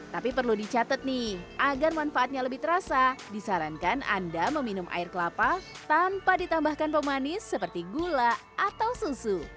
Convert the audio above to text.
tapi perlu dicatat nih agar manfaatnya lebih terasa disarankan anda meminum air kelapa tanpa ditambahkan pemanis seperti gula atau susu